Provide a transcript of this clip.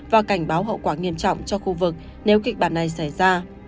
và cảnh báo hậu quả nghiêm trọng cho khu vực nếu kịch bản này xảy ra